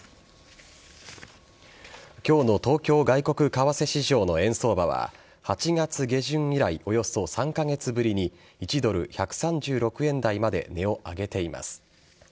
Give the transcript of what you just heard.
今日の東京外国為替市場の円相場は８月下旬以来およそ３カ月ぶりに１ドル１３６円台まで値を上げています。